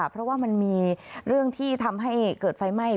เพราะว่ามันมีเรื่องที่ทำให้เกิดไฟไหม้